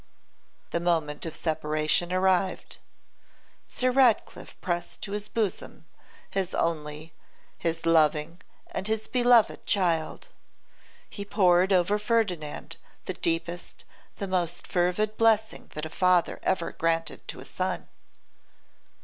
The moment of separation arrived. Sir Ratcliffe pressed to his bosom his only, his loving, and his beloved child. He poured over Ferdinand the deepest, the most fervid blessing that a father ever granted to a son.